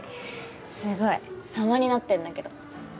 すごい様になってんだけど。